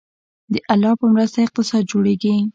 د الله په مرسته اقتصاد جوړیږي